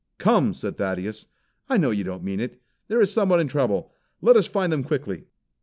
"Come!" said Thaddeus. "I know you don't mean it. There is someone in trouble. Let us find them quickly."